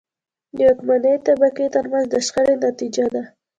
د واکمنې طبقې ترمنځ د شخړې نتیجه ده.